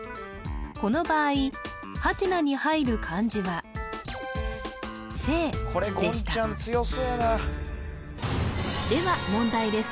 この場合「？」に入る漢字は「生」でしたでは問題です